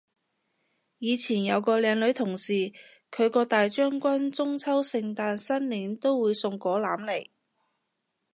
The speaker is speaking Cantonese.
以前有個靚女同事，佢個大將軍中秋聖誕新年都會送果籃嚟